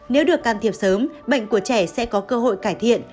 nếu được can thiệp sớm bệnh của trẻ sẽ có cơ hội cải thiện